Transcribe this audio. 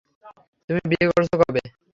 তুমি বিয়ে করছো কবে?